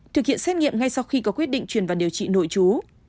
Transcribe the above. thực hiện xét nghiệm ngay sau khi có quyết định chuyển vào điều trị nội chú